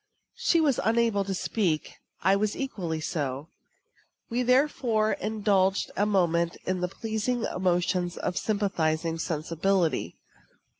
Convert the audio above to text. She was unable to speak. I was equally so. We therefore indulged a moment the pleasing emotions of sympathizing sensibility.